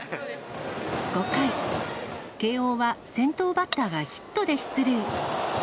５回、慶応は先頭バッターがヒットで出塁。